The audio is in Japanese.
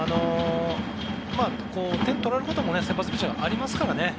点を取られること先発ピッチャーもありますからね。